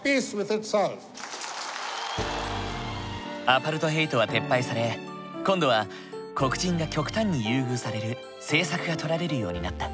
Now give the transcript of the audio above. アパルトヘイトは撤廃され今度は黒人が極端に優遇される政策がとられるようになった。